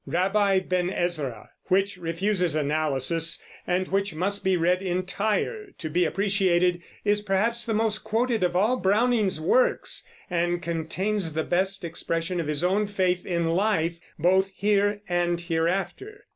"Rabbi Ben Ezra," which refuses analysis, and which must be read entire to be appreciated, is perhaps the most quoted of all Browning's works, and contains the best expression of his own faith in life, both here and hereafter.